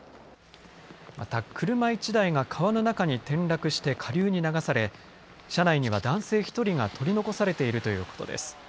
また、車１台が川の中に転落して下流に流され車内には男性１人が取り残されているということです。